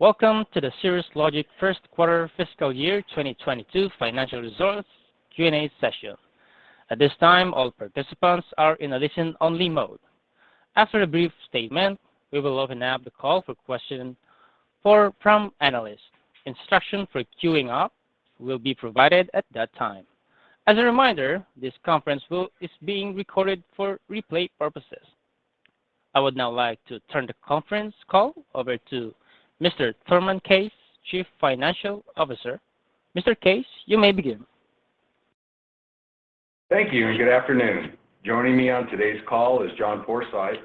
Welcome to the Cirrus Logic first quarter fiscal year 2022 financial results Q&A session. At this time, all participants are in a listen-only mode. After a brief statement, we will open up the call for questions from analysts. Instructions for queuing up will be provided at that time. As a reminder, this conference is being recorded for replay purposes. I would now like to turn the conference call over to Mr. Thurman Case, Chief Financial Officer. Mr. Case, you may begin. Thank you, and good afternoon. Joining me on today's call is John Forsyth,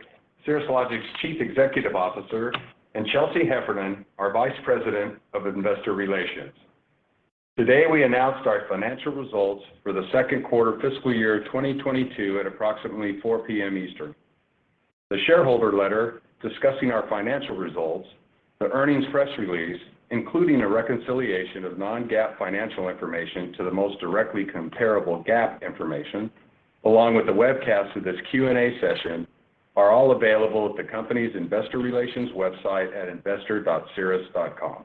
Cirrus Logic's Chief Executive Officer, and Chelsea Heffernan, our Vice President of Investor Relations. Today, we announced our financial results for the second quarter fiscal year 2022 at approximately 4 P.M. Eastern. The shareholder letter discussing our financial results, the earnings press release, including a reconciliation of non-GAAP financial information to the most directly comparable GAAP information, along with the webcast of this Q&A session, are all available at the company's Investor Relations website at investor.cirrus.com.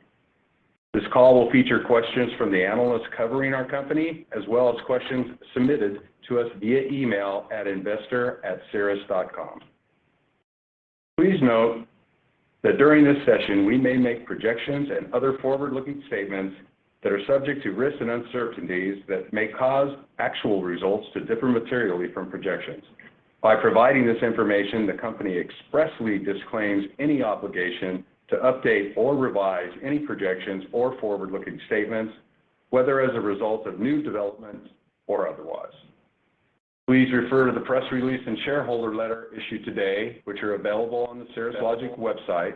This call will feature questions from the analysts covering our company, as well as questions submitted to us via email at investor@cirrus.com. Please note that during this session, we may make projections and other forward-looking statements that are subject to risks and uncertainties that may cause actual results to differ materially from projections. By providing this information, the company expressly disclaims any obligation to update or revise any projections or forward-looking statements, whether as a result of new developments or otherwise. Please refer to the press release and shareholder letter issued today, which are available on the Cirrus Logic website,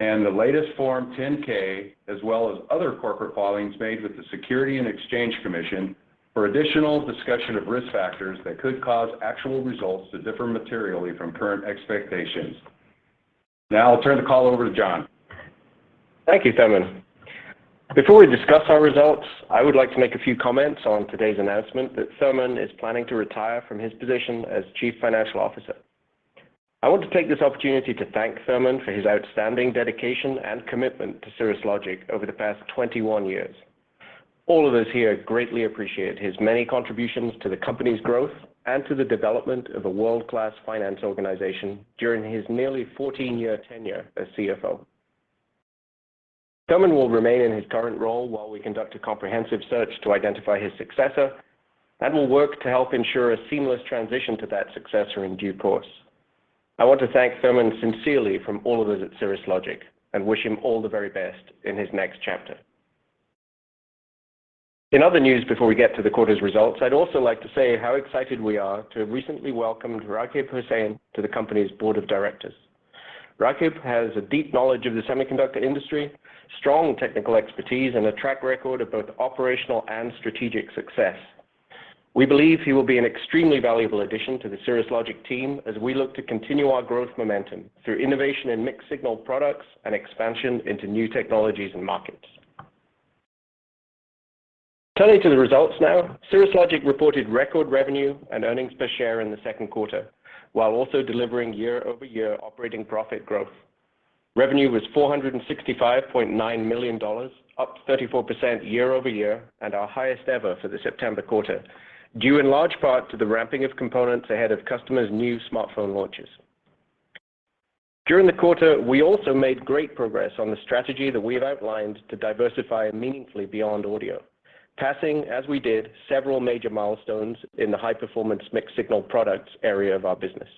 and the latest Form 10-K, as well as other corporate filings made with the Securities and Exchange Commission for additional discussion of risk factors that could cause actual results to differ materially from current expectations. Now I'll turn the call over to John. Thank you, Thurman. Before we discuss our results, I would like to make a few comments on today's announcement that Thurman is planning to retire from his position as Chief Financial Officer. I want to take this opportunity to thank Thurman for his outstanding dedication and commitment to Cirrus Logic over the past 21 years. All of us here greatly appreciate his many contributions to the company's growth and to the development of a world-class finance organization during his nearly 14-year tenure as CFO. Thurman will remain in his current role while we conduct a comprehensive search to identify his successor and will work to help ensure a seamless transition to that successor in due course. I want to thank Thurman sincerely from all of us at Cirrus Logic and wish him all the very best in his next chapter. In other news, before we get to the quarter's results, I'd also like to say how excited we are to have recently welcomed Raghib Hussain to the company's board of directors. Raghib has a deep knowledge of the semiconductor industry, strong technical expertise, and a track record of both operational and strategic success. We believe he will be an extremely valuable addition to the Cirrus Logic team as we look to continue our growth momentum through innovation in mixed-signal products and expansion into new technologies and markets. Turning to the results now, Cirrus Logic reported record revenue and earnings per share in the second quarter, while also delivering year-over-year operating profit growth. Revenue was $465.9 million, up 34% year-over-year and our highest ever for the September quarter, due in large part to the ramping of components ahead of customers' new smartphone launches. During the quarter, we also made great progress on the strategy that we have outlined to diversify meaningfully beyond audio, passing, as we did, several major milestones in the high-performance mixed-signal products area of our business.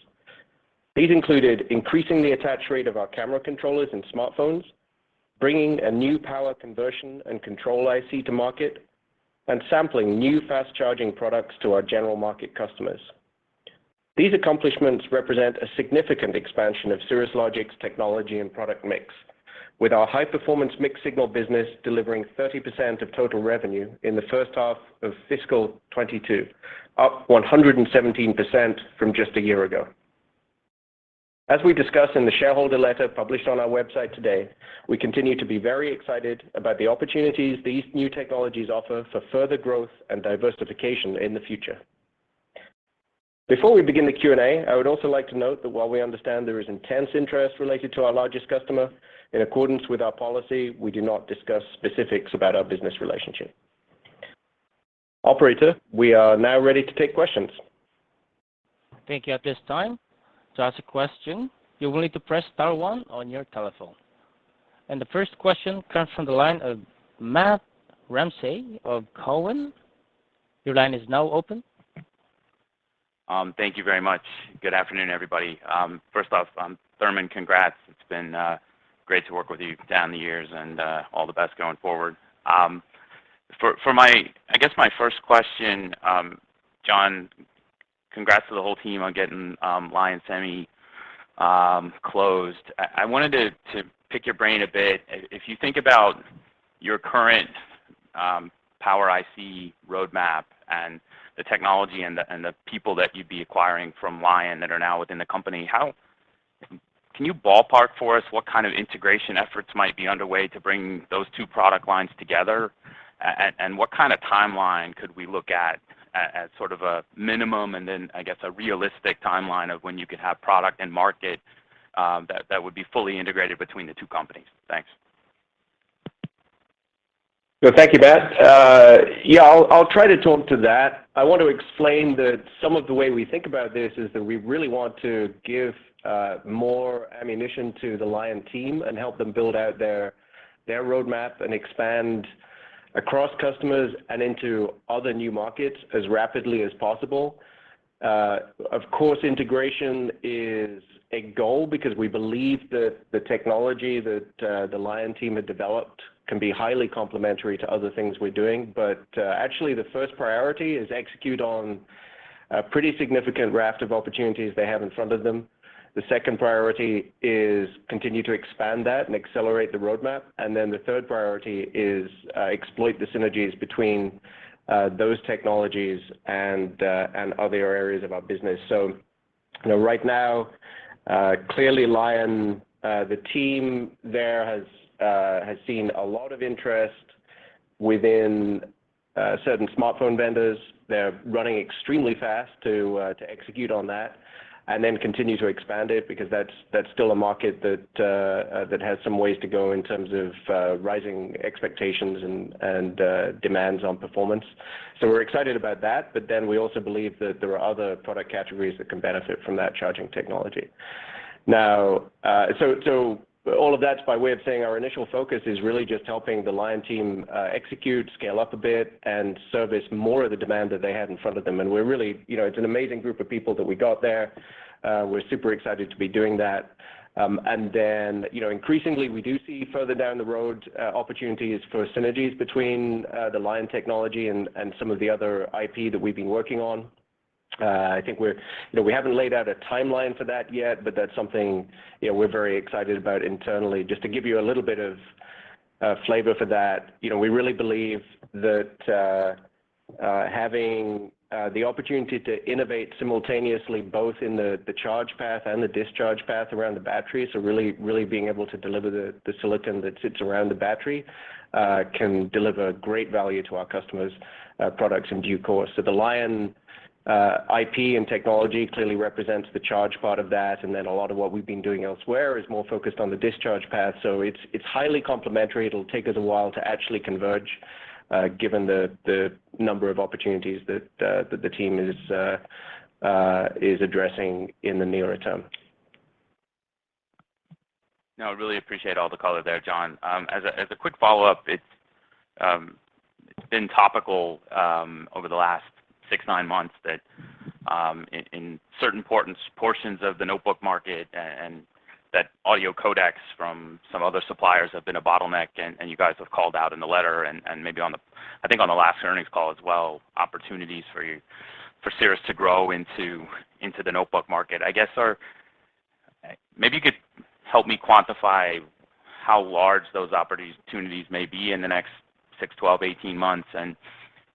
These included increasing the attach rate of our camera controllers in smartphones, bringing a new power conversion and control IC to market, and sampling new fast-charging products to our general market customers. These accomplishments represent a significant expansion of Cirrus Logic's technology and product mix, with our high-performance mixed-signal business delivering 30% of total revenue in the first half of fiscal 2022, up 117% from just a year ago. As we discussed in the shareholder letter published on our website today, we continue to be very excited about the opportunities these new technologies offer for further growth and diversification in the future. Before we begin the Q&A, I would also like to note that while we understand there is intense interest related to our largest customer, in accordance with our policy, we do not discuss specifics about our business relationship. Operator, we are now ready to take questions. Thank you. At this time, to ask a question you need to press Star one on your telephone. The first question comes from the line of Matt Ramsay of Cowen. Your line is now open. Thank you very much. Good afternoon, everybody. First off, Thurman, congrats. It's been great to work with you down the years, and all the best going forward. For my first question, I guess, John, congrats to the whole team on getting Lion Semiconductor closed. I wanted to pick your brain a bit. If you think about your current power IC roadmap and the technology and the people that you'd be acquiring from Lion that are now within the company, can you ballpark for us what kind of integration efforts might be underway to bring those two product lines together? What kind of timeline could we look at, as sort of a minimum and then I guess a realistic timeline of when you could have product and market, that would be fully integrated between the two companies? Thanks. Well, thank you, Matt. Yeah, I'll try to talk to that. I want to explain that some of the way we think about this is that we really want to give more ammunition to the Lion team and help them build out their roadmap and expand across customers and into other new markets as rapidly as possible. Of course, integration is a goal because we believe that the technology that the Lion team had developed can be highly complementary to other things we're doing. Actually the first priority is execute on a pretty significant raft of opportunities they have in front of them. The second priority is continue to expand that and accelerate the roadmap, and then the third priority is exploit the synergies between those technologies and other areas of our business. You know, right now, clearly Lion, the team there has seen a lot of interest within certain smartphone vendors. They're running extremely fast to execute on that and then continue to expand it because that's still a market that has some ways to go in terms of rising expectations and demands on performance. We're excited about that, but then we also believe that there are other product categories that can benefit from that charging technology. Now, all of that's by way of saying our initial focus is really just helping the Lion team execute, scale up a bit, and service more of the demand that they have in front of them. We're really, you know, it's an amazing group of people that we got there. We're super excited to be doing that. You know, increasingly we do see further down the road opportunities for synergies between the Lion Technology and some of the other IP that we've been working on. I think you know, we haven't laid out a timeline for that yet, but that's something, you know, we're very excited about internally. Just to give you a little bit of flavor for that, you know, we really believe that having the opportunity to innovate simultaneously both in the charge path and the discharge path around the battery, so really being able to deliver the silicon that sits around the battery can deliver great value to our customers' products in due course. The Lion IP and technology clearly represents the charge part of that, and then a lot of what we've been doing elsewhere is more focused on the discharge path. It's highly complementary. It'll take us a while to actually converge, given the number of opportunities that the team is addressing in the nearer term. No, I really appreciate all the color there, John. As a quick follow-up, it's been topical over the last six to nine months that in certain portions of the notebook market and that audio codecs from some other suppliers have been a bottleneck and you guys have called out in the letter and maybe on the call. I think on the last earnings call as well, opportunities for Cirrus to grow into the notebook market. I guess. Maybe you could help me quantify how large those opportunities may be in the next 6, 12, 18 months, and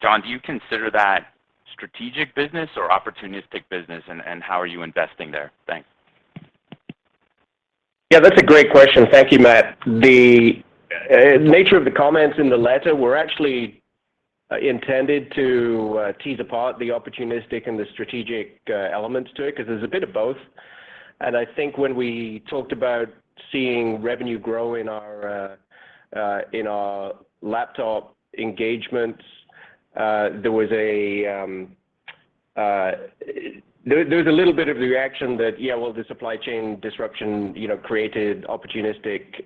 John, do you consider that strategic business or opportunistic business and how are you investing there? Thanks. Yeah, that's a great question. Thank you, Matt. The nature of the comments in the letter were actually intended to tease apart the opportunistic and the strategic elements to it 'cause there's a bit of both, and I think when we talked about seeing revenue grow in our in our laptop engagements, there was a... There was a little bit of the reaction that, yeah, well, the supply chain disruption, you know, created opportunistic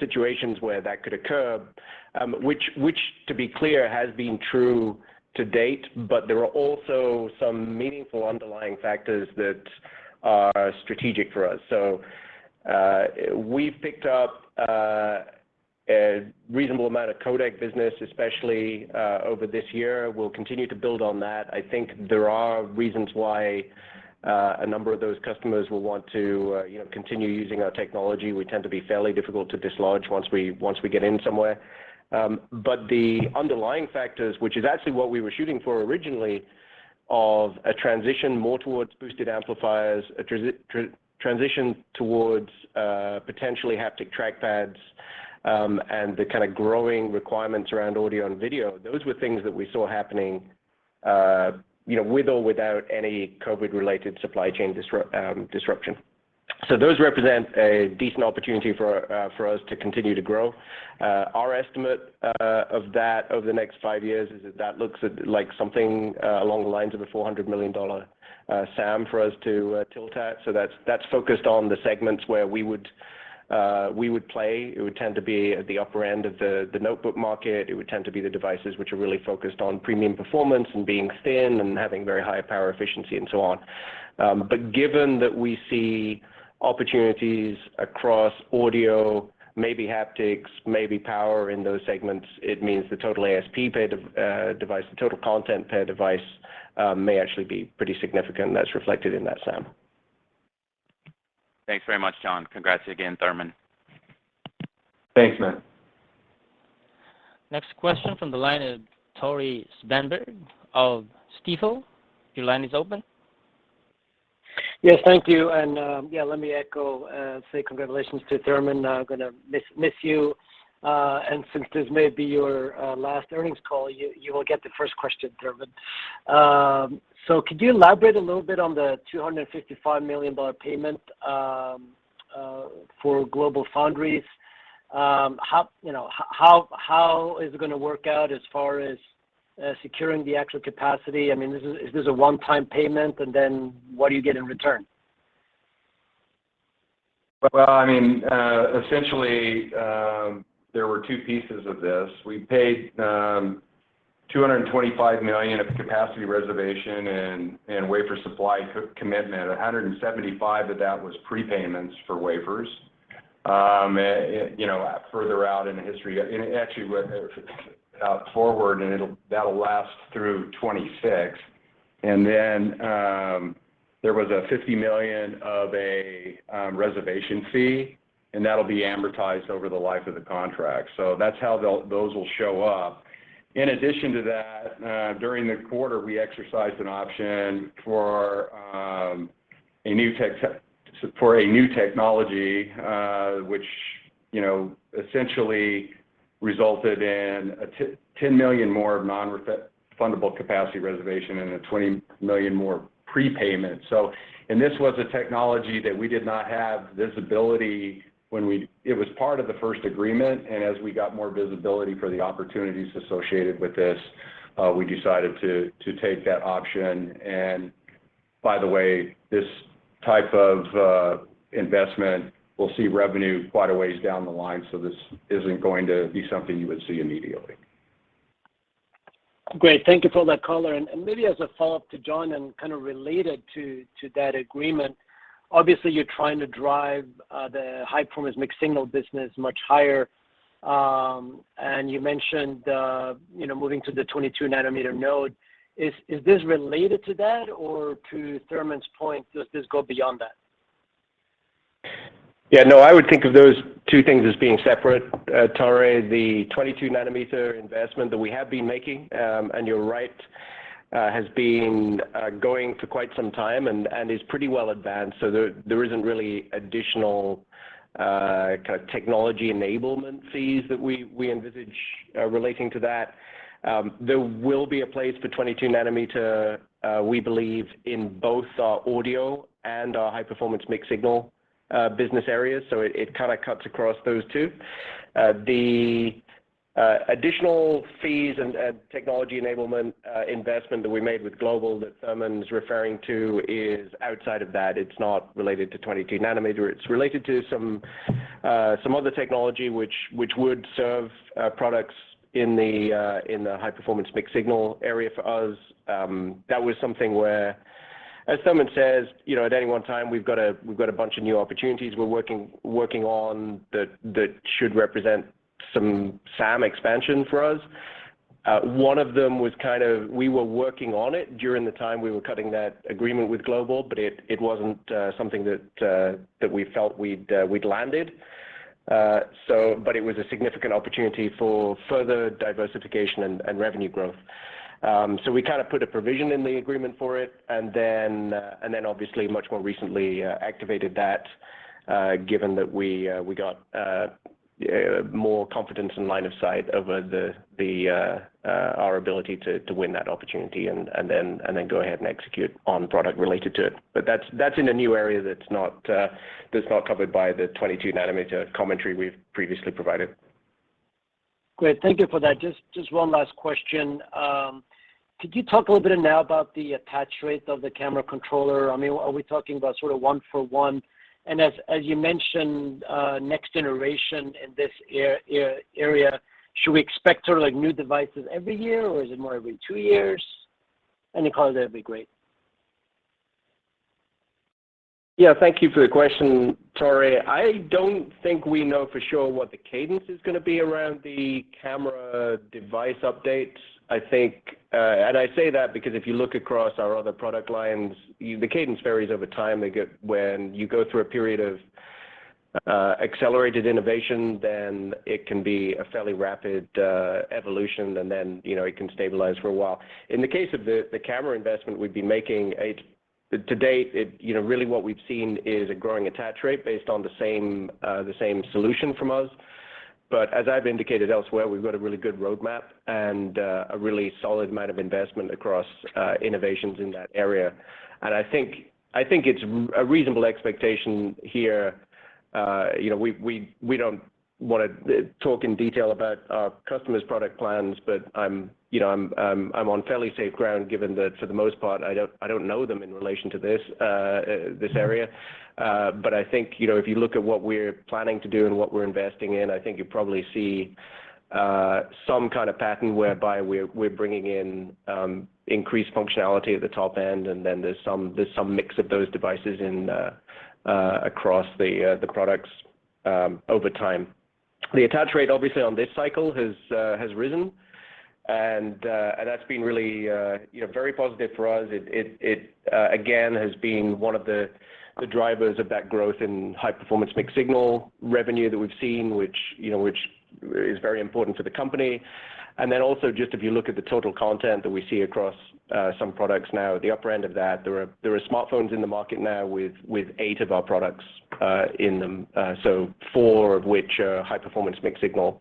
situations where that could occur, which, to be clear, has been true to date, but there are also some meaningful underlying factors that are strategic for us. We've picked up a reasonable amount of codec business, especially over this year. We'll continue to build on that. I think there are reasons why, a number of those customers will want to, you know, continue using our technology. We tend to be fairly difficult to dislodge once we get in somewhere. The underlying factors, which is actually what we were shooting for originally, of a transition more towards boosted amplifiers, a transition towards, potentially haptic trackpads, and the kind of growing requirements around audio and video, those were things that we saw happening, you know, with or without any COVID-related supply chain disruption. Those represent a decent opportunity for us to continue to grow. Our estimate of that over the next five years is that that looks like something along the lines of a $400 million SAM for us to tilt at. That's focused on the segments where we would play. It would tend to be at the upper end of the notebook market. It would tend to be the devices which are really focused on premium performance and being thin and having very high power efficiency and so on. But given that we see opportunities across audio, maybe haptics, maybe power in those segments, it means the total ASP paid of device—the total content per device may actually be pretty significant, and that's reflected in that SAM. Thanks very much, John. Congrats again, Thurman. Thanks, Matt. Next question from the line of Tore Svanberg of Stifel. Your line is open. Yes, thank you. Yeah, let me echo and say congratulations to Thurman. I'm gonna miss you. Since this may be your last earnings call, you will get the first question, Thurman. Could you elaborate a little bit on the $255 million payment for GlobalFoundries? You know, how is it gonna work out as far as securing the extra capacity? I mean, is this a one-time payment, and then what do you get in return? Well, I mean, essentially, there were two pieces of this. We paid $225 million of capacity reservation and wafer supply commitment. $175 million of that was prepayments for wafers, and you know, further out in the history. It actually went out forward, and it'll last through 2026. Then, there was a $50 million reservation fee, and that'll be amortized over the life of the contract. So that's how they'll show up. In addition to that, during the quarter, we exercised an option for a new technology, which you know, essentially resulted in a $10 million more of non-refundable capacity reservation and a $20 million more prepayment. This was a technology that we did not have visibility. It was part of the first agreement, and as we got more visibility for the opportunities associated with this, we decided to take that option. By the way, this type of investment will see revenue quite a ways down the line, so this isn't going to be something you would see immediately. Great. Thank you for that color. Maybe as a follow-up to John and kind of related to that agreement, obviously, you're trying to drive the high-performance mixed-signal business much higher. You mentioned, you know, moving to the 22 nm node. Is this related to that? Or to Thurman's point, does this go beyond that? Yeah, no, I would think of those two things as being separate, Tore. The 22 nm investment that we have been making, and you're right, has been going for quite some time and is pretty well advanced, so there isn't really additional kind of technology enablement fees that we envisage relating to that. There will be a place for 22 nm, we believe, in both our audio and our high-performance mixed-signal business areas, so it kind of cuts across those two. The additional fees and technology enablement investment that we made with Global that Thurman's referring to is outside of that. It's not related to 22 nm. It's related to some other technology which would serve products in the high-performance mixed-signal area for us. That was something where, as Thurman says, you know, at any one time, we've got a bunch of new opportunities we're working on that should represent some SAM expansion for us. One of them was kind of we were working on it during the time we were cutting that agreement with Global, but it wasn't something that we felt we'd landed. It was a significant opportunity for further diversification and revenue growth. We kind of put a provision in the agreement for it, and then obviously much more recently activated that, given that we got more confidence and line of sight over our ability to win that opportunity and then go ahead and execute on product related to it. But that's in a new area that's not covered by the 22 nm commentary we've previously provided. Great. Thank you for that. Just one last question. Could you talk a little bit now about the attach rate of the camera controller? I mean, are we talking about sort of one-for-one? As you mentioned, next generation in this area, should we expect sort of like new devices every year, or is it more every two years? Any color there would be great. Yeah, thank you for the question, Tore. I don't think we know for sure what the cadence is gonna be around the camera device updates. I think, and I say that because if you look across our other product lines, the cadence varies over time. When you go through a period of accelerated innovation, then it can be a fairly rapid evolution, and then, you know, it can stabilize for a while. In the case of the camera investment we've been making, to date, it, you know, really what we've seen is a growing attach rate based on the same solution from us. But as I've indicated elsewhere, we've got a really good roadmap and a really solid amount of investment across innovations in that area. I think it's a reasonable expectation here, you know, we don't want to talk in detail about our customers' product plans, but you know, I'm on fairly safe ground given that for the most part I don't know them in relation to this area. But I think, you know, if you look at what we're planning to do and what we're investing in, I think you probably see some kind of pattern whereby we're bringing in increased functionality at the top end, and then there's some mix of those devices across the products over time. The attach rate obviously on this cycle has risen and that's been really, you know, very positive for us. It again has been one of the drivers of that growth in high-performance mixed-signal revenue that we've seen, which you know which is very important for the company. Also just if you look at the total content that we see across some products now at the upper end of that, there are smartphones in the market now with eight of our products in them. Four of which are high-performance mixed-signal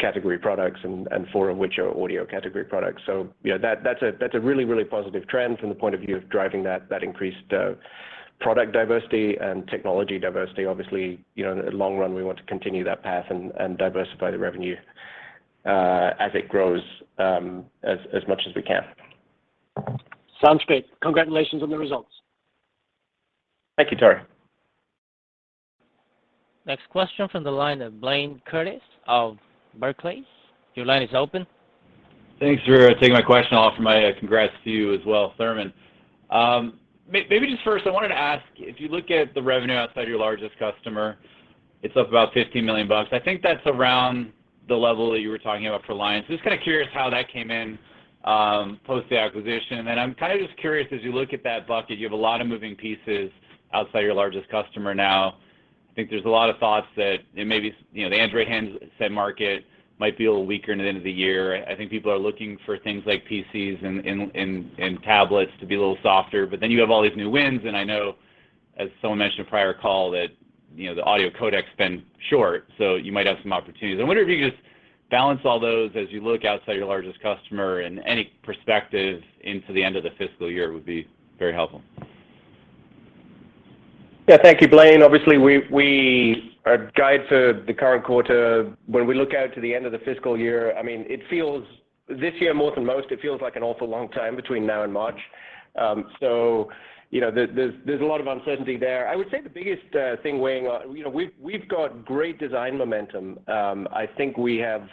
category products and 4 of which are audio category products. Yeah, that's a really positive trend from the point of view of driving that increased product diversity and technology diversity. Obviously, you know, in the long run, we want to continue that path and diversify the revenue as it grows, as much as we can. Sounds great. Congratulations on the results. Thank you, Tore. Next question from the line of Blayne Curtis of Barclays. Your line is open. Thanks for taking my question. I'll offer my congrats to you as well, Thurman. Maybe just first, I wanted to ask, if you look at the revenue outside your largest customer, it's up about $50 million. I think that's around the level that you were talking about for Lion. Just kind of curious how that came in post the acquisition. I'm kind of just curious, as you look at that bucket, you have a lot of moving pieces outside your largest customer now. I think there's a lot of thoughts that it may be, you know, the Android handset market might be a little weaker in the end of the year. I think people are looking for things like PCs and tablets to be a little softer. You have all these new wins, and I know, as someone mentioned in a prior call, that, you know, the audio codec's been short, so you might have some opportunities. I wonder if you could just balance all those as you look outside your largest customer and any perspective into the end of the fiscal year would be very helpful. Yeah. Thank you, Blayne. Obviously, our guide for the current quarter, when we look out to the end of the fiscal year, I mean, it feels, this year more than most, it feels like an awful long time between now and March. So, you know, there's a lot of uncertainty there. I would say the biggest thing weighing on. You know, we've got great design momentum. I think we have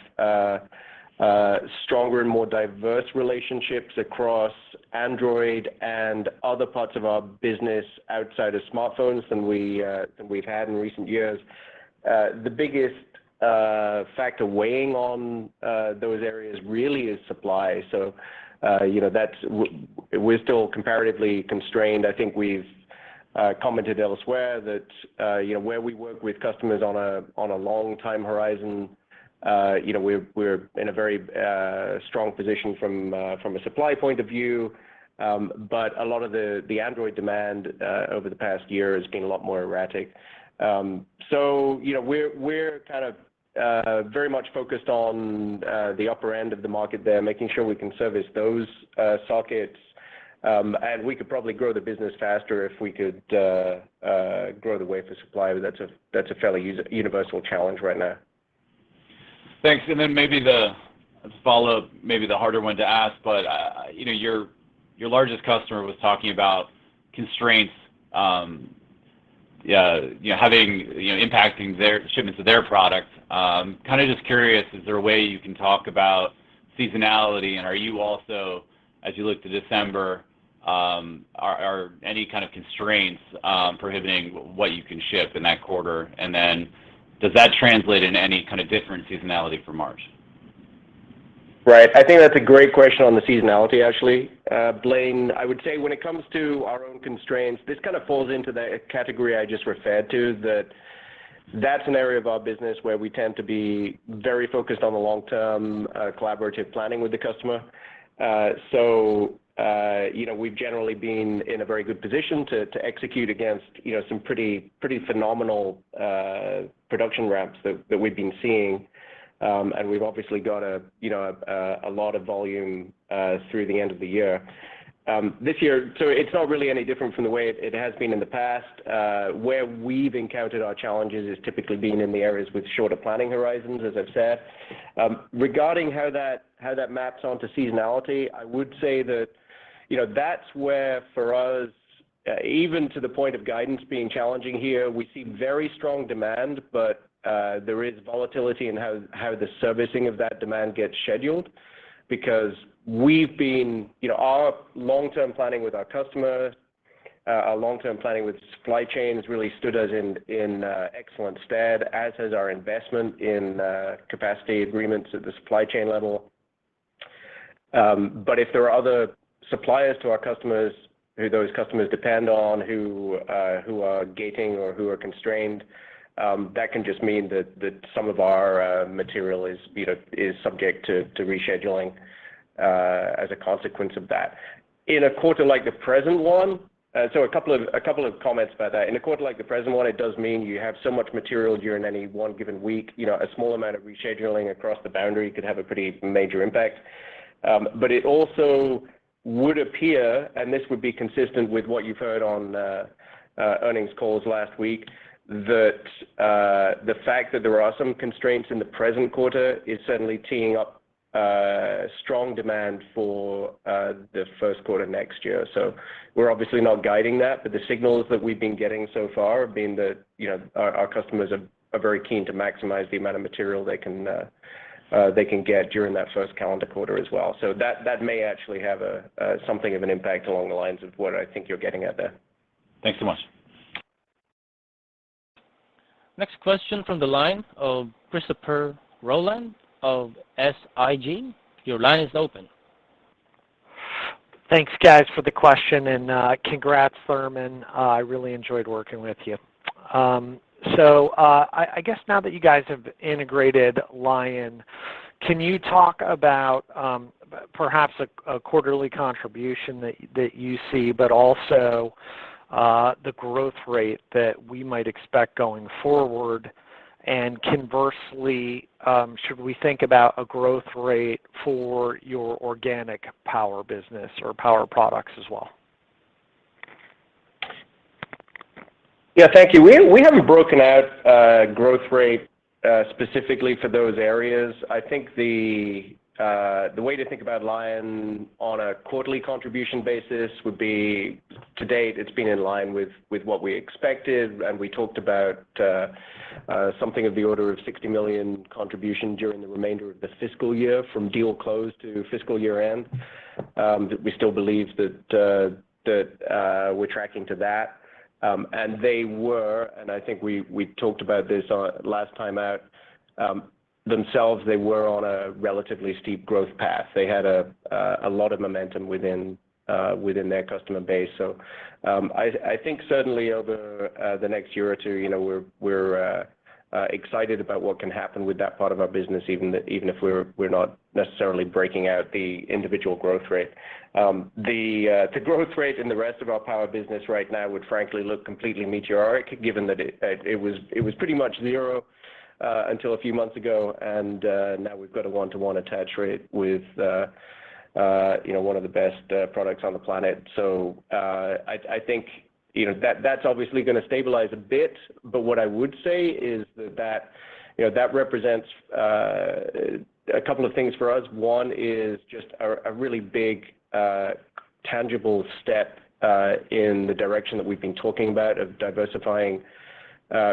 stronger and more diverse relationships across Android and other parts of our business outside of smartphones than we've had in recent years. The biggest factor weighing on those areas really is supply. You know, we're still comparatively constrained. I think we've commented elsewhere that, you know, where we work with customers on a long time horizon, you know, we're in a very strong position from a supply point of view. A lot of the Android demand over the past year has been a lot more erratic. You know, we're kind of very much focused on the upper end of the market there, making sure we can service those sockets. We could probably grow the business faster if we could grow the wafer supply, but that's a fairly universal challenge right now. Thanks. Maybe the follow-up, maybe the harder one to ask, but your largest customer was talking about constraints having impacting their shipments of their products. Kind of just curious, is there a way you can talk about seasonality? Are you also, as you look to December, are any kind of constraints prohibiting what you can ship in that quarter? Does that translate into any kind of different seasonality for March? Right. I think that's a great question on the seasonality, actually, Blayne. I would say when it comes to our own constraints, this kind of falls into the category I just referred to, that that's an area of our business where we tend to be very focused on the long-term collaborative planning with the customer. You know, we've generally been in a very good position to execute against, you know, some pretty phenomenal production ramps that we've been seeing. We've obviously got a lot of volume through the end of the year this year, so it's not really any different from the way it has been in the past. Where we've encountered our challenges has typically been in the areas with shorter planning horizons, as I've said. Regarding how that maps onto seasonality, I would say that, you know, that's where for us, even to the point of guidance being challenging here, we see very strong demand, but there is volatility in how the servicing of that demand gets scheduled. You know, our long-term planning with our customer, our long-term planning with supply chain has really stood us in excellent stead, as has our investment in capacity agreements at the supply chain level. If there are other suppliers to our customers who those customers depend on who are gating or who are constrained, that can just mean that some of our material is, you know, subject to rescheduling as a consequence of that. In a quarter like the present one, it does mean you have so much material during any one given week, you know, a small amount of rescheduling across the boundary could have a pretty major impact. But it also would appear, and this would be consistent with what you've heard on earnings calls last week, that the fact that there are some constraints in the present quarter is certainly teeing up strong demand for the first quarter next year. We're obviously not guiding that, but the signals that we've been getting so far have been that, you know, our customers are very keen to maximize the amount of material they can get during that first calendar quarter as well. That may actually have something of an impact along the lines of what I think you're getting at there. Thanks so much. Next question from the line of Christopher Rolland of SIG. Your line is open. Thanks guys for the question, and congrats Thurman. I really enjoyed working with you. I guess now that you guys have integrated Lion, can you talk about perhaps a quarterly contribution that you see, but also the growth rate that we might expect going forward? Conversely, should we think about a growth rate for your organic power business or power products as well? Yeah. Thank you. We haven't broken out growth rate specifically for those areas. I think the way to think about Lion on a quarterly contribution basis would be to date, it's been in line with what we expected, and we talked about something of the order of $60 million contribution during the remainder of the fiscal year from deal close to fiscal year-end, that we still believe that we're tracking to that. I think we talked about this on last time out, themselves, they were on a relatively steep growth path. They had a lot of momentum within their customer base. I think certainly over the next year or two, you know, we're excited about what can happen with that part of our business even if we're not necessarily breaking out the individual growth rate. The growth rate in the rest of our power business right now would frankly look completely meteoric given that it was pretty much zero until a few months ago, and now we've got a one-to-one attach rate with you know one of the best products on the planet. I think you know that's obviously gonna stabilize a bit, but what I would say is that you know that represents a couple of things for us. One is just a really big tangible step in the direction that we've been talking about of diversifying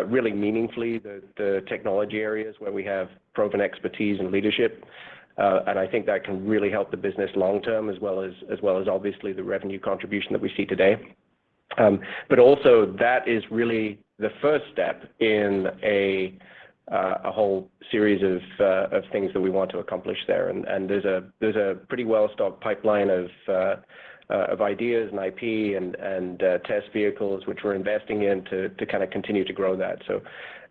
really meaningfully the technology areas where we have proven expertise and leadership. I think that can really help the business long-term as well as obviously the revenue contribution that we see today. Also that is really the first step in a whole series of things that we want to accomplish there. There's a pretty well-stocked pipeline of ideas and IP and test vehicles, which we're investing in to kind of continue to grow that.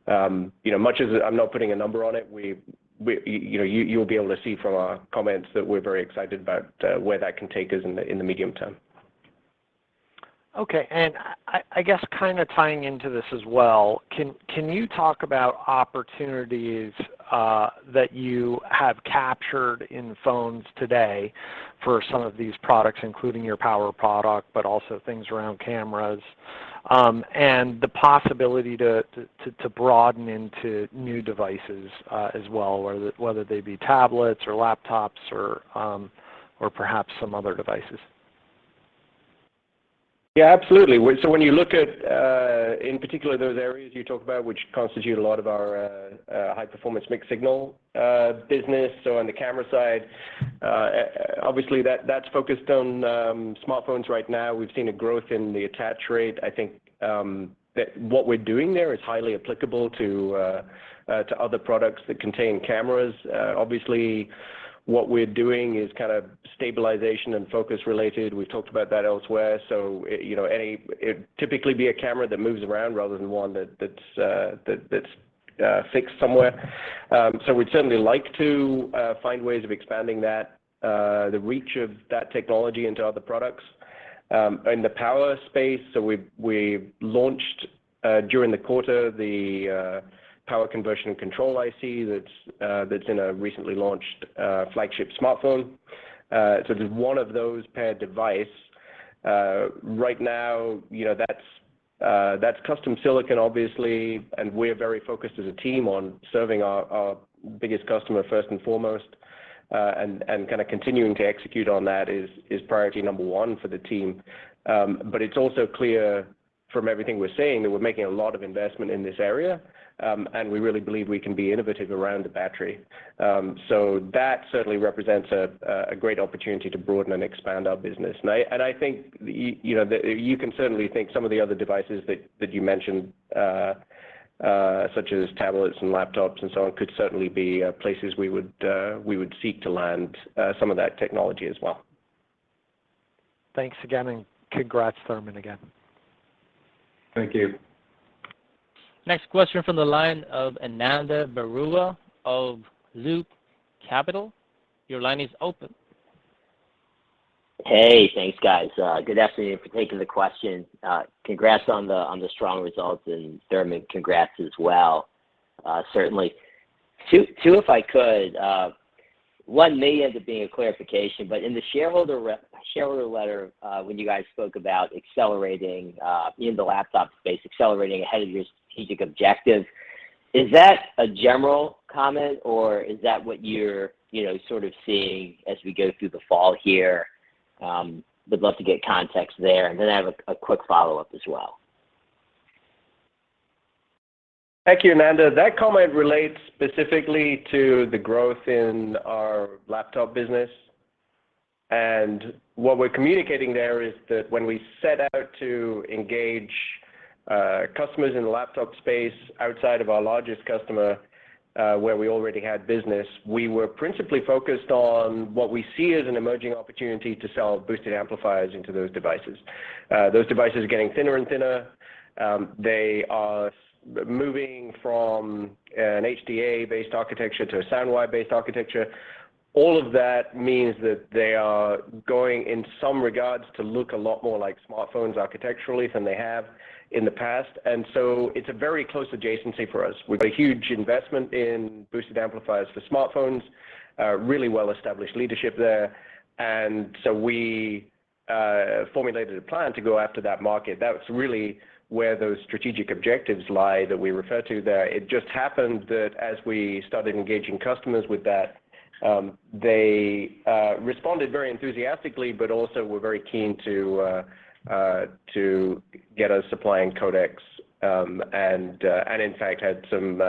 You know, much as I'm not putting a number on it, you know, you'll be able to see from our comments that we're very excited about where that can take us in the medium-term. Okay. I guess kind of tying into this as well, can you talk about opportunities that you have captured in phones today for some of these products, including your power product, but also things around cameras, and the possibility to broaden into new devices as well, whether they be tablets or laptops or perhaps some other devices? Yeah, absolutely. When you look at, in particular, those areas you talked about, which constitute a lot of our high-performance mixed-signal business. On the camera side, obviously that's focused on smartphones right now. We've seen a growth in the attach rate. I think that what we're doing there is highly applicable to other products that contain cameras. Obviously, what we're doing is kind of stabilization and focus related. We've talked about that elsewhere. You know, it'd typically be a camera that moves around rather than one that's fixed somewhere. We'd certainly like to find ways of expanding that the reach of that technology into other products. In the power space, we've launched during the quarter the power conversion and control IC that's in a recently launched flagship smartphone. Just one of those paired device. Right now, you know, that's custom silicon obviously, and we're very focused as a team on serving our biggest customer first and foremost. Kind of continuing to execute on that is priority number one for the team. It's also clear from everything we're seeing that we're making a lot of investment in this area, and we really believe we can be innovative around the battery. That certainly represents a great opportunity to broaden and expand our business. I think, you know, that you can certainly think some of the other devices that you mentioned, such as tablets and laptops and so on, could certainly be places we would seek to land some of that technology as well. Thanks again, and congrats, Thurman, again. Thank you. Next question from the line of Ananda Baruah of Loop Capital. Your line is open. Hey. Thanks, guys. Good afternoon. Thank you for taking the question. Congrats on the strong results, and Thurman, congrats as well. Certainly two if I could. One may end up being a clarification, but in the shareholder letter, when you guys spoke about accelerating in the laptop space, accelerating ahead of your strategic objective, is that a general comment or is that what you're, you know, sort of seeing as we go through the fall here? Would love to get context there, and then I have a quick follow-up as well. Thank you, Ananda. That comment relates specifically to the growth in our laptop business, and what we're communicating there is that when we set out to engage customers in the laptop space outside of our largest customer, where we already had business, we were principally focused on what we see as an emerging opportunity to sell Boosted Amplifiers into those devices. Those devices are getting thinner and thinner. They are moving from an HDA-based architecture to a SoundWire-based architecture. All of that means that they are going, in some regards, to look a lot more like smartphones architecturally than they have in the past. It's a very close adjacency for us. We've got a huge investment in Boosted Amplifiers for smartphones, really well-established leadership there. We formulated a plan to go after that market. That's really where those strategic objectives lie, that we refer to there. It just happened that as we started engaging customers with that, they responded very enthusiastically, but also were very keen to get us supplying codecs, and in fact had some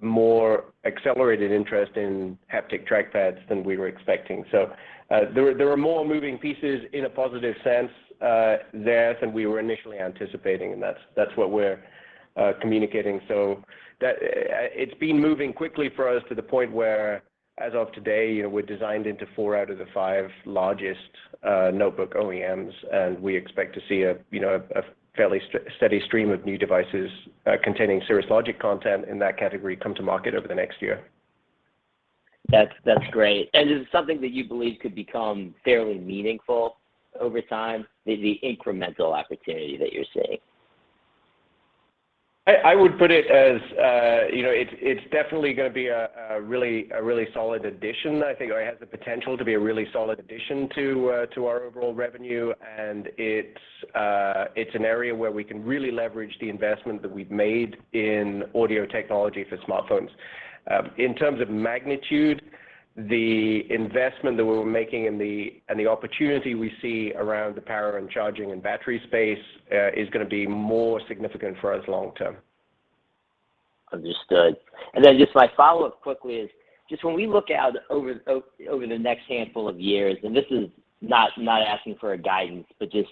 more accelerated interest in haptic trackpads than we were expecting. There were more moving pieces in a positive sense there than we were initially anticipating, and that's what we're communicating. It's been moving quickly for us to the point where as of today, you know, we're designed into four out of the five largest notebook OEMs, and we expect to see a fairly steady stream of new devices containing Cirrus Logic content in that category come to market over the next year. That's great. Is it something that you believe could become fairly meaningful over time, the incremental opportunity that you're seeing? I would put it as, you know, it's definitely gonna be a really solid addition, I think, or it has the potential to be a really solid addition to our overall revenue. It's an area where we can really leverage the investment that we've made in audio technology for smartphones. In terms of magnitude, the investment that we're making and the opportunity we see around the power and charging and battery space is gonna be more significant for us long term. Understood. Then just my follow-up quickly is, just when we look out over the next handful of years, and this is not asking for a guidance, but just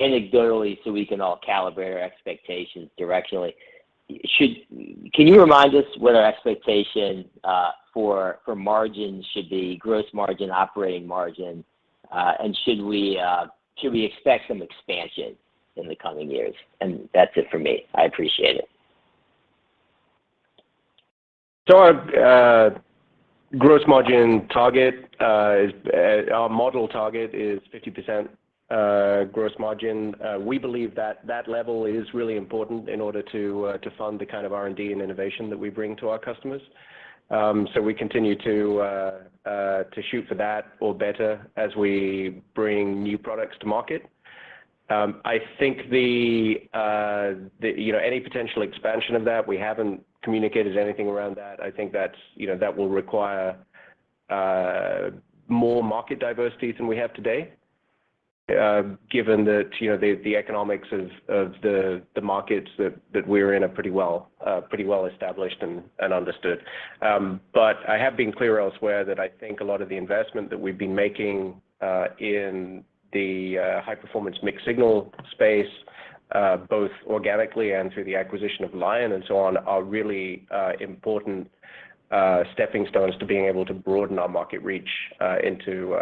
anecdotally so we can all calibrate our expectations directionally. Can you remind us what our expectation for margins should be, gross margin, operating margin, and should we expect some expansion in the coming years? That's it for me. I appreciate it. Our gross margin target, our model target, is 50% gross margin. We believe that level is really important in order to fund the kind of R&D and innovation that we bring to our customers. We continue to shoot for that or better as we bring new products to market. I think, you know, any potential expansion of that, we haven't communicated anything around that. I think that's, you know, that will require more market diversity than we have today, given that, you know, the economics of the markets that we're in are pretty well established and understood. I have been clear elsewhere that I think a lot of the investment that we've been making in the high-performance mixed-signal space both organically and through the acquisition of Lion and so on are really important stepping stones to being able to broaden our market reach into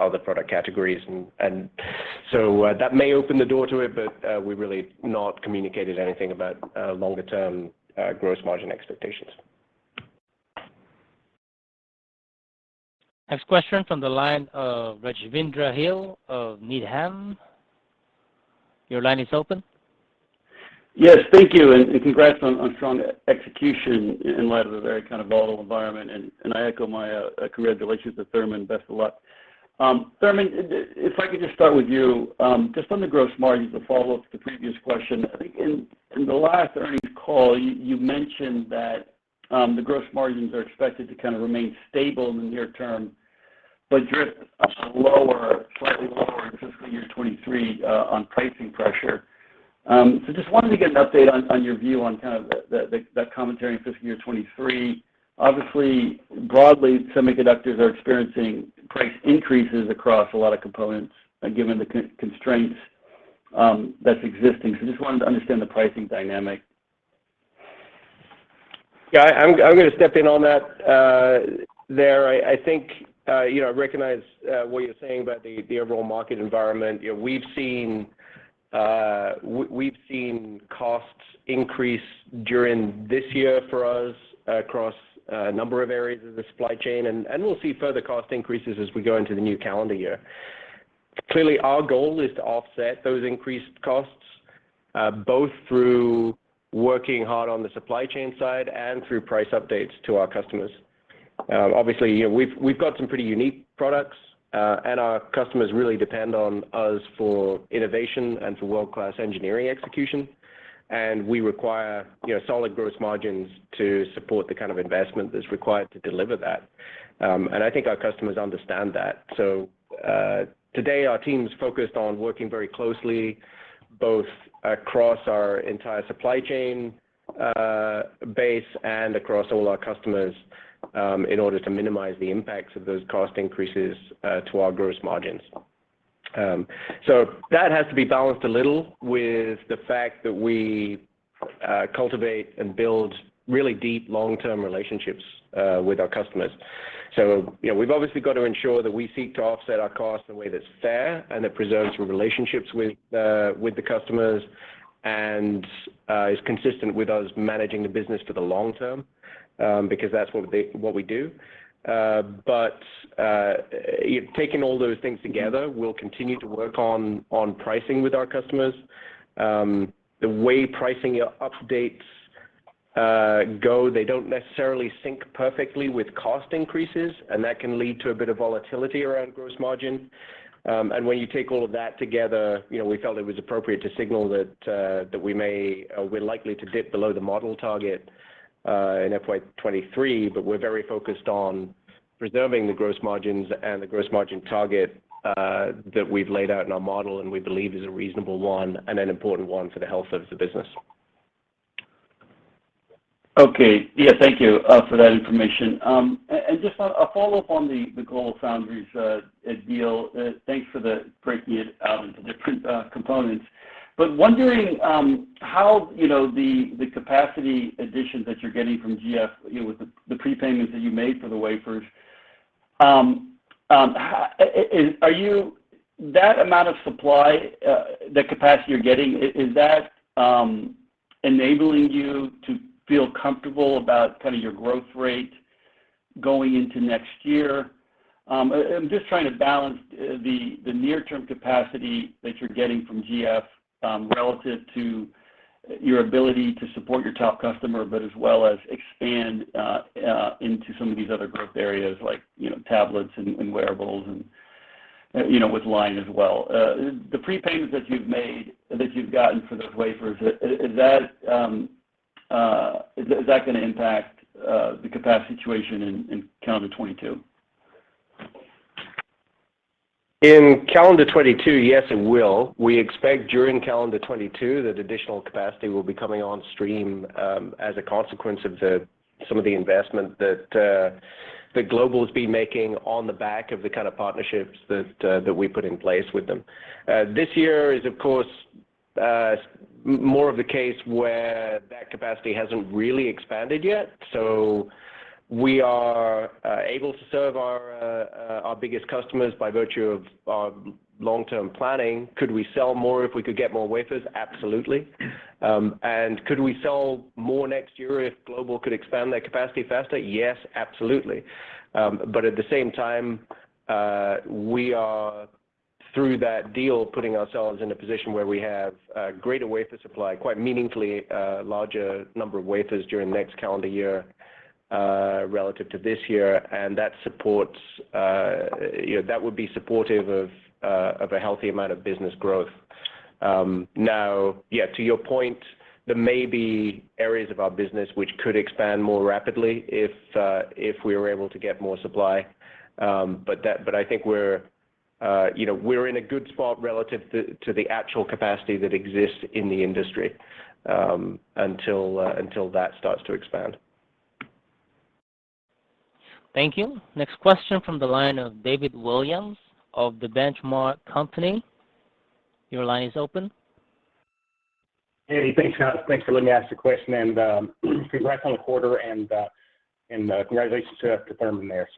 other product categories. That may open the door to it, but we've really not communicated anything about longer term gross margin expectations. Next question from the line of Rajvindra Gill of Needham. Your line is open. Yes. Thank you and congrats on strong execution in light of a very kind of volatile environment, and I echo my congratulations to Thurman. Best of luck. Thurman, if I could just start with you, just on the gross margins to follow up to the previous question. I think in the last earnings call, you mentioned that the gross margins are expected to kind of remain stable in the near term, but drift lower, slightly lower in fiscal year 2023, on pricing pressure. Just wanted to get an update on your view on kind of that commentary in fiscal year 2023. Obviously, broadly, semiconductors are experiencing price increases across a lot of components given the constraints that exist. Just wanted to understand the pricing dynamic. Yeah. I'm gonna step in on that, there. I think you know, I recognize what you're saying about the overall market environment. You know, we've seen costs increase during this year for us across a number of areas of the supply chain, and we'll see further cost increases as we go into the new calendar year. Clearly, our goal is to offset those increased costs both through working hard on the supply chain side and through price updates to our customers. Obviously, you know, we've got some pretty unique products, and our customers really depend on us for innovation and for world-class engineering execution, and we require you know, solid gross margins to support the kind of investment that's required to deliver that. I think our customers understand that. Today our team's focused on working very closely, both across our entire supply chain base and across all our customers in order to minimize the impacts of those cost increases to our gross margins. That has to be balanced a little with the fact that we cultivate and build really deep long-term relationships with our customers. You know, we've obviously got to ensure that we seek to offset our costs in a way that's fair and that preserves the relationships with the customers and is consistent with us managing the business for the long term, because that's what we do. Taking all those things together, we'll continue to work on pricing with our customers. The way pricing updates go, they don't necessarily sync perfectly with cost increases, and that can lead to a bit of volatility around gross margin. When you take all of that together, you know, we felt it was appropriate to signal that we're likely to dip below the model target in FY 2023, but we're very focused on preserving the gross margins and the gross margin target that we've laid out in our model and we believe is a reasonable one and an important one for the health of the business. Okay. Yeah, thank you for that information. Just a follow-up on the GlobalFoundries deal. Thanks for breaking it out into different components. Wondering how, you know, the capacity additions that you're getting from GF, you know, with the prepayments that you made for the wafers, that amount of supply, the capacity you're getting, is that enabling you to feel comfortable about kind of your growth rate going into next year? I'm just trying to balance the near-term capacity that you're getting from GF, relative to your ability to support your top customer, but as well as expand into some of these other growth areas like, you know, tablets and wearables and, you know, with Lion as well. The prepayments that you've made, that you've gotten for those wafers, is that gonna impact the capacity situation in calendar 2022? In calendar 2022, yes, it will. We expect during calendar 2022 that additional capacity will be coming on stream, as a consequence of some of the investment that GlobalFoundries has been making on the back of the kind of partnerships that we put in place with them. This year is, of course, more of the case where that capacity has not really expanded yet. We are able to serve our biggest customers by virtue of long-term planning. Could we sell more if we could get more wafers? Absolutely. Could we sell more next year if GlobalFoundries could expand that capacity faster? Yes, absolutely. At the same time, we are through that deal putting ourselves in a position where we have greater wafer supply, quite meaningfully larger number of wafers during the next calendar year relative to this year, and that supports, you know, that would be supportive of a healthy amount of business growth. Now, yeah, to your point, there may be areas of our business which could expand more rapidly if we were able to get more supply. I think we're, you know, in a good spot relative to the actual capacity that exists in the industry until that starts to expand. Thank you. Next question from the line of David Williams of The Benchmark Company. Your line is open. Hey, thanks for letting me ask the question, and congrats on the quarter and congratulations to Thurman there.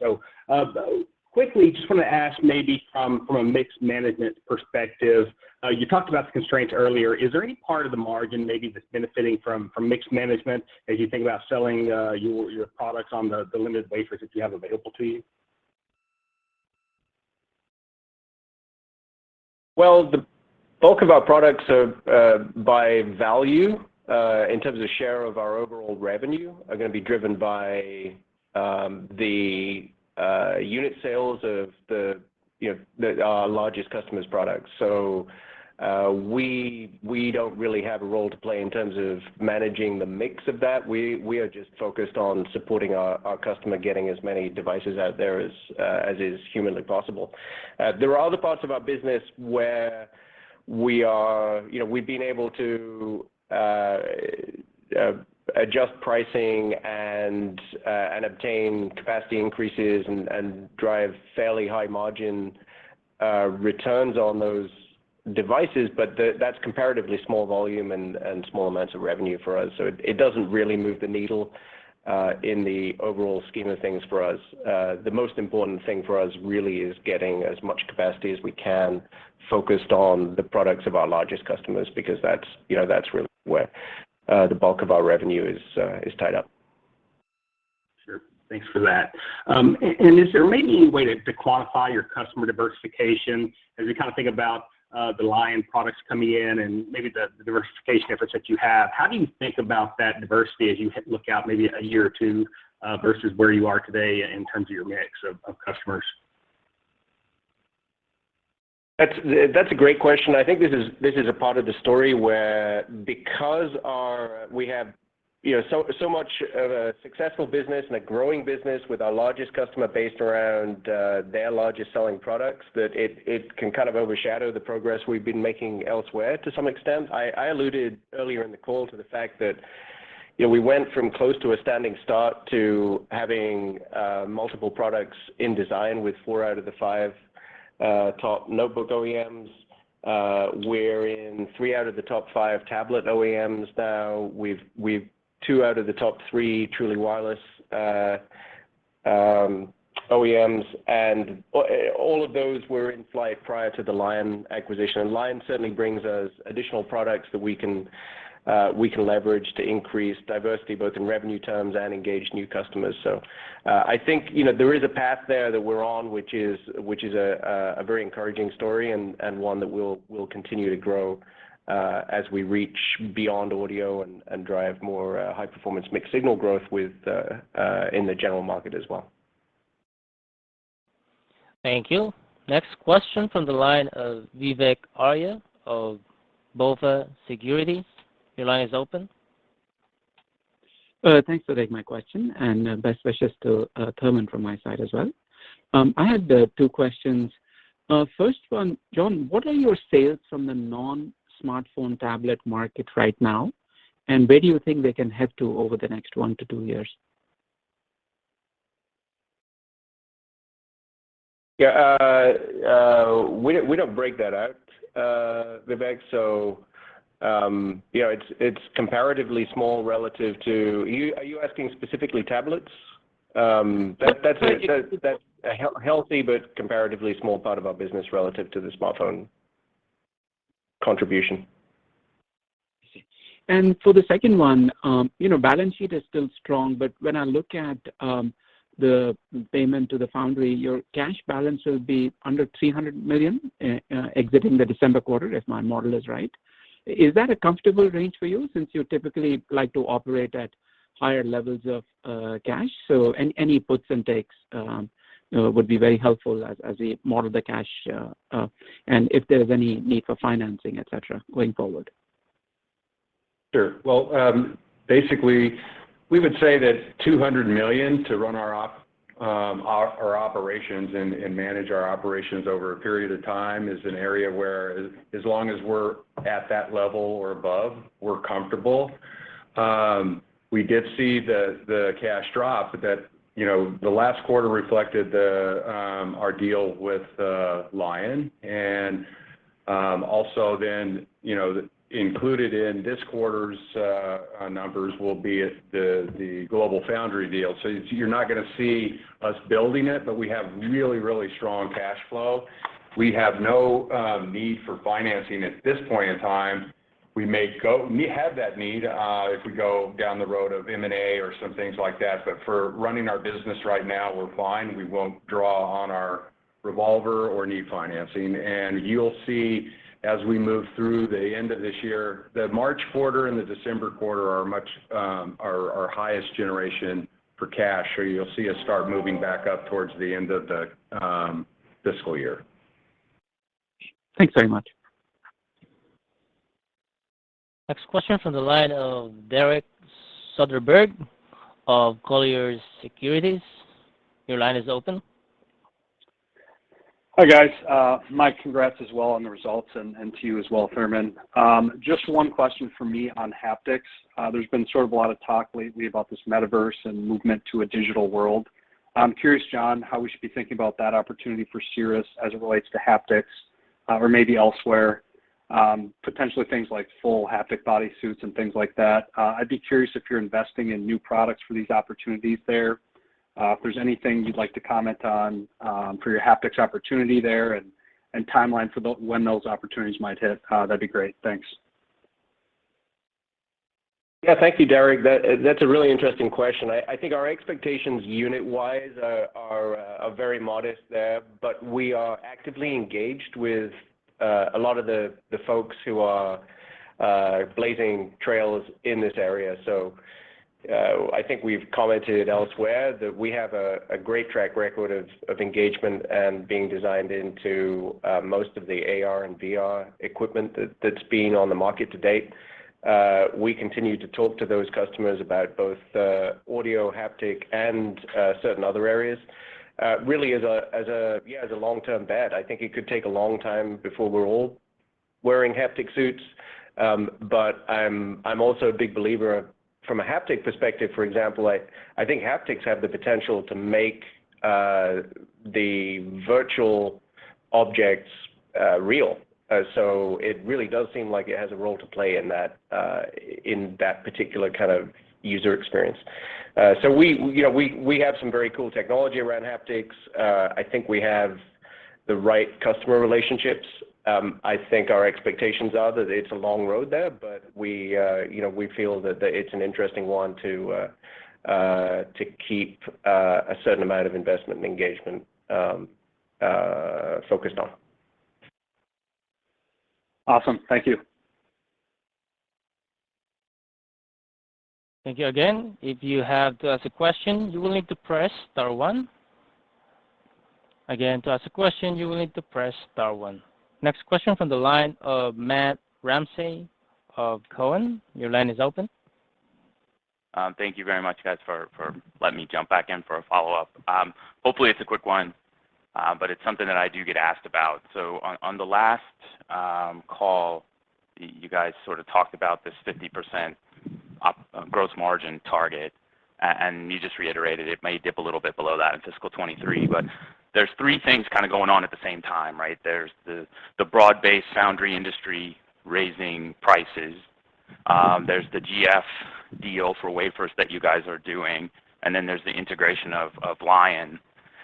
Quickly, just wanna ask maybe from a mixed management perspective, you talked about the constraints earlier. Is there any part of the margin maybe that's benefiting from mixed management as you think about selling your products on the limited wafers that you have available to you? Well, the bulk of our products are by value in terms of share of our overall revenue are gonna be driven by our largest customers' products. We don't really have a role to play in terms of managing the mix of that. We are just focused on supporting our customer getting as many devices out there as is humanly possible. There are other parts of our business where we are, you know, we've been able to adjust pricing and obtain capacity increases and drive fairly high margin returns on those devices, but that's comparatively small volume and small amounts of revenue for us. It doesn't really move the needle in the overall scheme of things for us. The most important thing for us really is getting as much capacity as we can focused on the products of our largest customers because that's, you know, that's really where the bulk of our revenue is tied up. Sure. Thanks for that. Is there maybe any way to quantify your customer diversification as you kind of think about the Lion products coming in and maybe the diversification efforts that you have? How do you think about that diversity as you look out maybe a year or two versus where you are today in terms of your mix of customers? That's a great question. I think this is a part of the story where because we have, you know, so much of a successful business and a growing business with our largest customer based around their largest selling products that it can kind of overshadow the progress we've been making elsewhere to some extent. I alluded earlier in the call to the fact that. Yeah, we went from close to a standing start to having multiple products in design with four out of the five top notebook OEMs. We're in three out of the top five tablet OEMs now. We've two out of the top three truly wireless OEMs, and all of those were in flight prior to the Lion acquisition. Lion certainly brings us additional products that we can leverage to increase diversity, both in revenue terms and engage new customers. I think, you know, there is a path there that we're on, which is a very encouraging story and one that we'll continue to grow as we reach beyond audio and drive more high performance mixed-signal growth in the general market as well. Thank you. Next question from the line of Vivek Arya of BofA Securities. Your line is open. Thanks for taking my question, and best wishes to Thurman from my side as well. I had two questions. First one, John, what are your sales from the non-smartphone tablet market right now, and where do you think they can head to over the next one to two years? Yeah, we don't break that out, Vivek. You know, it's comparatively small relative to. Are you asking specifically tablets? That's a- Yeah That's a healthy but comparatively small part of our business relative to the smartphone contribution. For the second one, you know, balance sheet is still strong, but when I look at the payment to the foundry, your cash balance will be under $300 million exiting the December quarter if my model is right. Is that a comfortable range for you since you typically like to operate at higher levels of cash? Any puts and takes, you know, would be very helpful as we model the cash share and if there's any need for financing, et cetera, going forward. Sure. Well, basically, we would say that $200 million to run our operations and manage our operations over a period of time is an area where, as long as we're at that level or above, we're comfortable. We did see the cash drop, but that, you know, the last quarter reflected our deal with Lion. Also then, you know, included in this quarter's numbers will be the GlobalFoundries deal. You're not gonna see us building it, but we have really strong cash flow. We have no need for financing at this point in time. We may have that need if we go down the road of M&A or some things like that. For running our business right now, we're fine. We won't draw on our revolver or need financing. You'll see as we move through the end of this year, the March quarter and the December quarter are much our highest generation for cash, so you'll see us start moving back up towards the end of the fiscal year. Thanks very much. Next question from the line of Derek Soderberg of Colliers Securities. Your line is open. Hi, guys. My congrats as well on the results, and to you as well, Thurman. Just one question from me on haptics. There's been sort of a lot of talk lately about this metaverse and movement to a digital world. I'm curious, John, how we should be thinking about that opportunity for Cirrus as it relates to haptics, or maybe elsewhere, potentially things like full haptic body suits and things like that. I'd be curious if you're investing in new products for these opportunities there. If there's anything you'd like to comment on, for your haptics opportunity there and timeline for when those opportunities might hit, that'd be great. Thanks. Yeah. Thank you, Derek. That's a really interesting question. I think our expectations unit-wise are very modest there, but we are actively engaged with a lot of the folks who are blazing trails in this area. I think we've commented elsewhere that we have a great track record of engagement and being designed into most of the AR and VR equipment that's been on the market to date. We continue to talk to those customers about both audio, haptic, and certain other areas, really as a long-term bet. I think it could take a long time before we're all wearing haptic suits. I'm also a big believer from a haptic perspective, for example, I think haptics have the potential to make the virtual objects real. It really does seem like it has a role to play in that particular kind of user experience. We, you know, we have some very cool technology around haptics. I think we have the right customer relationships. I think our expectations are that it's a long road there, but we, you know, we feel that it's an interesting one to keep a certain amount of investment and engagement focused on. Awesome. Thank you. Thank you again. If you have to ask a question, you will need to press Star one. Again, to ask a question, you will need to press star one. Next question from the line of Matt Ramsay of Cowen. Your line is open. Thank you very much, guys, for letting me jump back in for a follow-up. Hopefully it's a quick one. It's something that I do get asked about. On the last call, you guys sort of talked about this 50% gross margin target, and you just reiterated it may dip a little bit below that in fiscal 2023. There's three things kind of going on at the same time, right? There's the broad-based foundry industry raising prices, there's the GF deal for wafers that you guys are doing, and then there's the integration of Lion.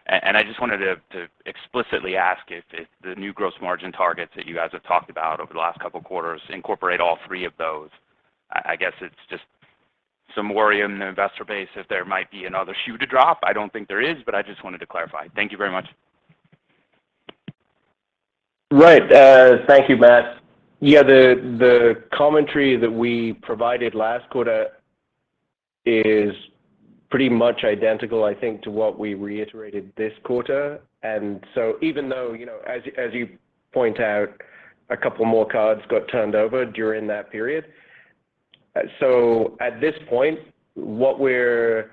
I just wanted to explicitly ask if the new gross margin targets that you guys have talked about over the last couple quarters incorporate all three of those. I guess it's just some worry in the investor base if there might be another shoe to drop. I don't think there is, but I just wanted to clarify. Thank you very much. Right. Thank you, Matt. Yeah, the commentary that we provided last quarter is pretty much identical, I think, to what we reiterated this quarter. Even though, you know, as you point out, a couple more cards got turned over during that period. At this point, what we're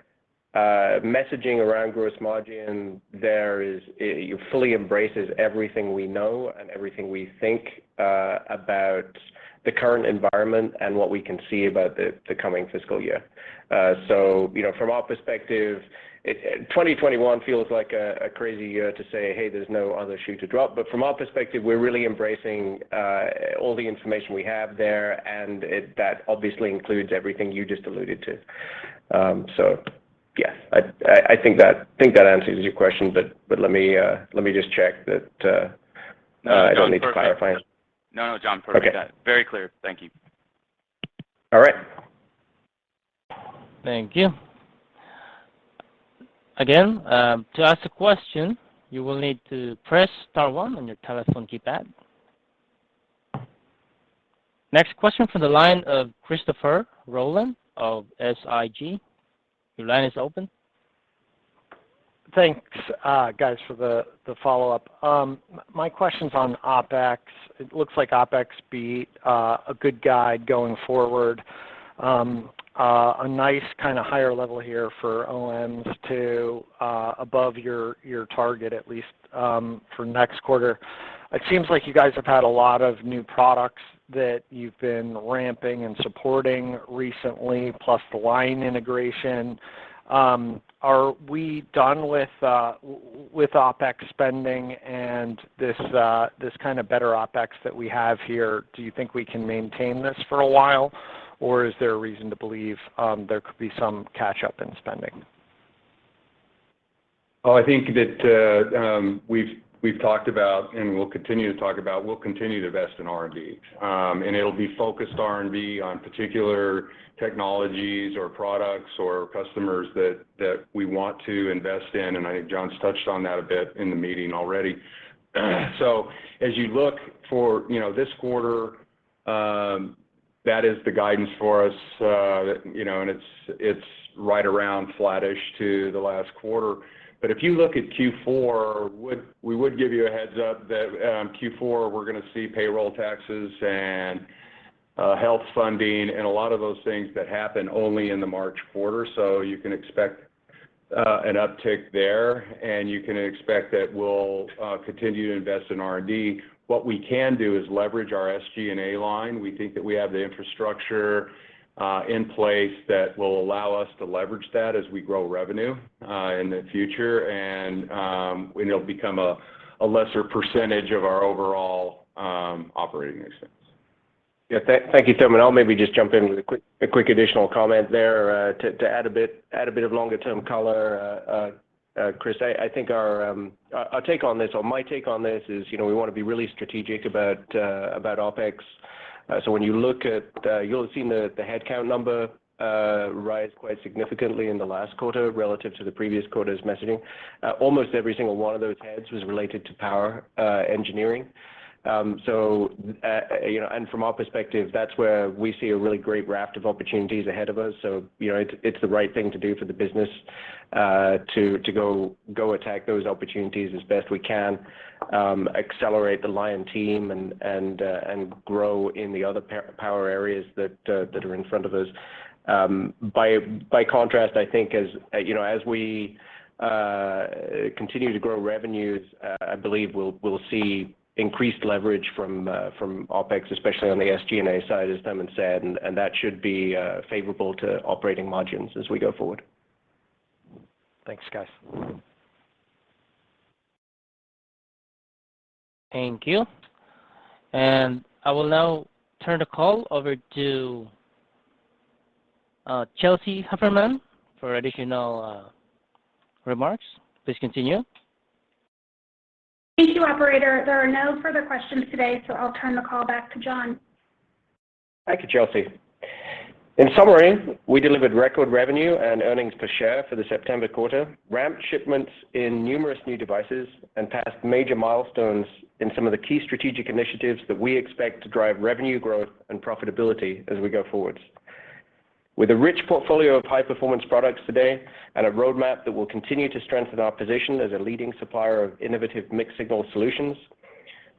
messaging around gross margin there is it fully embraces everything we know and everything we think about the current environment and what we can see about the coming fiscal year. You know, from our perspective, 2021 feels like a crazy year to say, Hey, there's no other shoe to drop. From our perspective, we're really embracing all the information we have there, and that obviously includes everything you just alluded to. Yes. I think that answers your question, but let me just check that I don't need to clarify anything. No, no, John. Perfect. Okay. Very clear. Thank you. All right. Thank you. Again, to ask a question, you will need to press Star one on your telephone keypad. Next question from the line of Christopher Rolland of SIG. Your line is open. Thanks, guys, for the follow-up. My question's on OpEx. It looks like OpEx beat a good guide going forward. A nice kind of higher level here for OM to above your target at least for next quarter. It seems like you guys have had a lot of new products that you've been ramping and supporting recently, plus the Lion integration. Are we done with OpEx spending and this kind of better OpEx that we have here? Do you think we can maintain this for a while, or is there a reason to believe there could be some catch-up in spending? I think that we've talked about and we'll continue to talk about. We'll continue to invest in R&D. It'll be focused R&D on particular technologies or products or customers that we want to invest in, and I think John's touched on that a bit in the meeting already. As you look forward to, you know, this quarter, that is the guidance for us. You know, it's right around flattish to the last quarter. If you look at Q4, we would give you a heads-up that Q4, we're gonna see payroll taxes and health funding and a lot of those things that happen only in the March quarter. You can expect an uptick there, and you can expect that we'll continue to invest in R&D. What we can do is leverage our SG&A line. We think that we have the infrastructure in place that will allow us to leverage that as we grow revenue in the future, and it'll become a lesser percentage of our overall operating expense. Yeah. Thank you, Thurman. I'll maybe just jump in with a quick additional comment there, to add a bit of longer term color, Chris. I think our take on this or my take on this is, you know, we wanna be really strategic about OpEx. When you look at, you'll have seen the headcount number rise quite significantly in the last quarter relative to the previous quarter's messaging. Almost every single one of those heads was related to power engineering. You know, and from our perspective, that's where we see a really great raft of opportunities ahead of us. You know, it's the right thing to do for the business to go attack those opportunities as best we can, accelerate the Lion team and grow in the other power areas that are in front of us. By contrast, I think as you know as we continue to grow revenues, I believe we'll see increased leverage from OpEx, especially on the SG&A side, as Tim has said, and that should be favorable to operating margins as we go forward. Thanks, guys. Thank you. I will now turn the call over to Chelsea Heffernan for additional remarks. Please continue. Thank you, operator. There are no further questions today, so I'll turn the call back to John. Thank you, Chelsea. In summary, we delivered record revenue and earnings per share for the September quarter, ramped shipments in numerous new devices, and passed major milestones in some of the key strategic initiatives that we expect to drive revenue growth and profitability as we go forward. With a rich portfolio of high-performance products today and a roadmap that will continue to strengthen our position as a leading supplier of innovative mixed-signal solutions,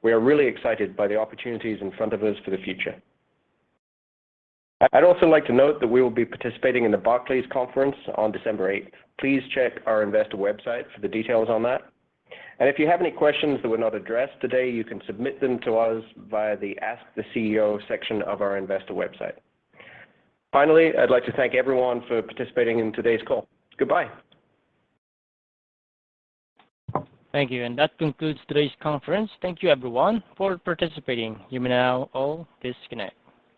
we are really excited by the opportunities in front of us for the future. I'd also like to note that we will be participating in the Barclays conference on December 8th. Please check our investor website for the details on that. If you have any questions that were not addressed today, you can submit them to us via the Ask the CEO section of our Investor website. Finally, I'd like to thank everyone for participating in today's call. Goodbye. Thank you. That concludes today's conference. Thank you, everyone, for participating. You may now all disconnect.